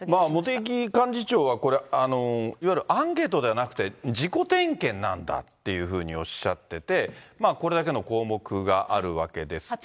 茂木幹事長はこれ、いわゆるアンケートではなくて、自己点検なんだっていうふうにおっしゃってて、これだけの項目があるわけですけど。